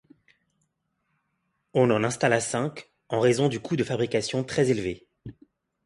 On en installa seulement cinq en raison du coût de fabrication très élevé.